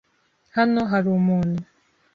Hano hari umuntu?